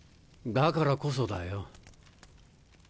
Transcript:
だからこそだよ。